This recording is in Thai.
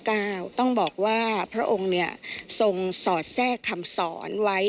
เราต้องบอกว่าพระองค์ทรงสอดแส้คำสอนไว้